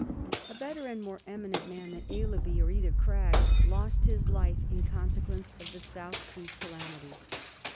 A better and more eminent man than Aislabie or either Craggs lost his life in consequence of the South Sea calamity.